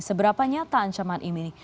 seberapanya tak ancaman ini